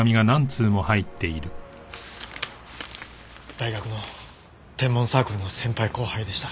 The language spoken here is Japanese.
大学の天文サークルの先輩後輩でした。